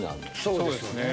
そうですね。